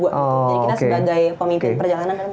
jadi kita sebagai pemimpin perjalanan